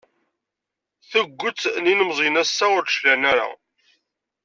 Tuget n yilemẓiyen ass-a ur d-cliɛen ara.